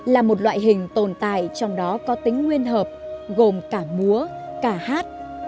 là một loại hình tồn tại trong đó có tính nguyên hợp gồm cả múa cả hát